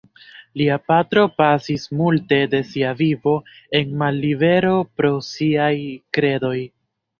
Lia patro pasis multe de sia vivo en mallibero pro siaj kredoj.